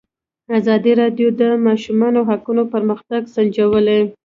ازادي راډیو د د ماشومانو حقونه پرمختګ سنجولی.